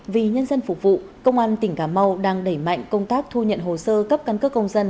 vì nhân dân phục vụ công an tỉnh cà mau đang đẩy mạnh công tác thu nhận hồ sơ cấp căn cước công dân